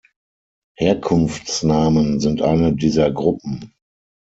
Herkunftsnamen sind eine dieser Gruppen.